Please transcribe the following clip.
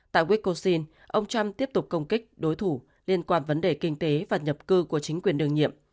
tại wiscosin ông trump tiếp tục công kích đối thủ liên quan vấn đề kinh tế và nhập cư của chính quyền đường nhiệm